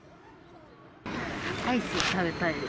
アイス食べたいです。